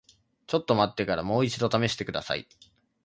ちょっと待ってからもう一度試してください。